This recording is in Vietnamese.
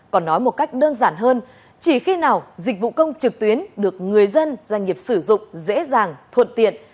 còn nói một cách đơn giản hơn chỉ khi nào dịch vụ công trực tuyến được người dân doanh nghiệp sử dụng dễ dàng thuận tiện